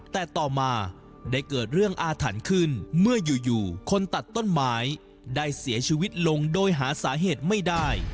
แต่ต่อมาได้เกิดเรื่องอาถรรพ์ขึ้นเมื่ออยู่คนตัดต้นไม้ได้เสียชีวิตลงโดยหาสาเหตุไม่ได้